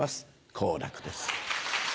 好楽です。